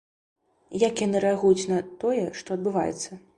Як яны рэагуюць на тое, што адбываецца?